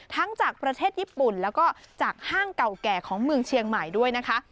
จากประเทศญี่ปุ่นแล้วก็จากห้างเก่าแก่ของเมืองเชียงใหม่ด้วยนะคะ